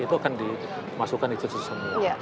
itu akan dimasukkan ke sistem itu